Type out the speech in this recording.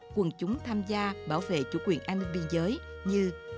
quần chúng tham gia bảo vệ chủ quyền an ninh biên giới như